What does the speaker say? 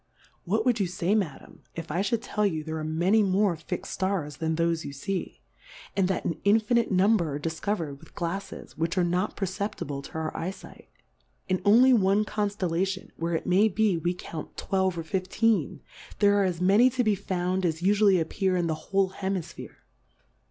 What wouM you fay, Madam, if I fliould tell you, there are many more fix'd Scars than thofe you fee ? And that an infiiiite Number are difcover'd with GlalTes, which are not Perceptible to our Eye fight : In only one Conftel lation, where, it may be, we count twelve or fifteen, there are as many to be found as ufually appear in the whole Hemifphere.